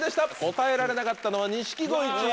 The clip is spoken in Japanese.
答えられなかったのは錦鯉チーム。